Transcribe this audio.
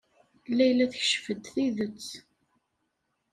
Layla tekcef-d tidet.